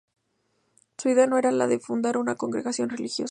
Su idea no era la de fundar una congregación religiosa.